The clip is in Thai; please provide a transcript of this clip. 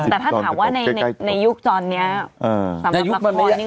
แต่ถ้าถามว่าในยุคตอนนี้สำหรับละครนี่